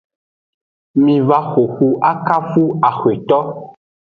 Miva xoxu akafu axweto.